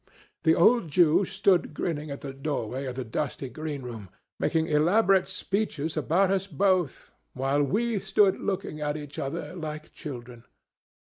The old Jew stood grinning at the doorway of the dusty greenroom, making elaborate speeches about us both, while we stood looking at each other like children.